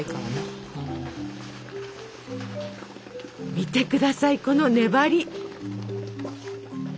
見て下さいこの粘り！